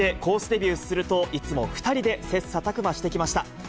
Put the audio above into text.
デビューすると、いつも２人で切さたく磨してきました。